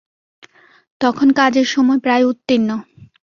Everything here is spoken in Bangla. তখন কাজের সময় প্রায় উত্তীর্ণ।